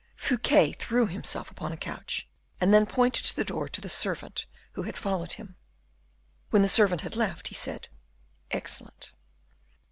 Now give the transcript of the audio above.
Fouquet threw himself upon a couch, and then pointed to the door to the servant who had followed him; when the servant had left he said, "Excellent."